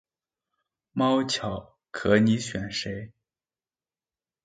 貓巧可你選誰